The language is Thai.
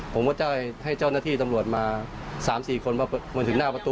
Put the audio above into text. ผมก็จะให้เจ้าหน้าที่ตำรวจมา๓๔คนมาถึงหน้าประตู